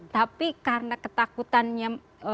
tapi karena ketakutannya